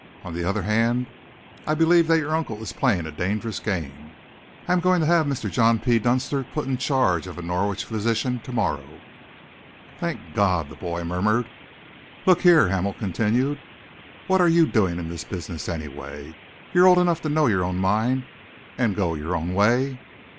On the other hand, I believe that your uncle is playing a dangerous game. I am going to have Mr. John P. Dunster put in charge of a Norwich physician to morrow." "Thank God!" the boy murmured. "Look here," Hamel continued, "what are you doing in this business, anyway? You are old enough to know your own mind and to go your own way."